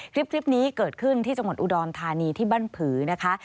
คลิปนี้เกิดขึ้นที่จังหวัดอุดรธานีที่บ้านผือนะคะ